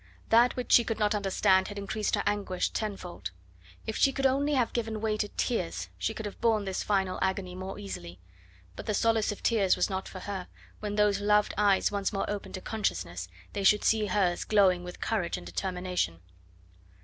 That which she could not understand had increased her anguish tenfold. If she could only have given way to tears she could have borne this final agony more easily. But the solace of tears was not for her; when those loved eyes once more opened to consciousness they should see hers glowing with courage and determination.